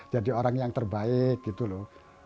jadi orang yang terbaik gitu loh